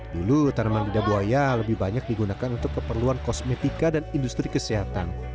dulu tanaman lidah buaya lebih banyak digunakan untuk keperluan kosmetika dan industri kesehatan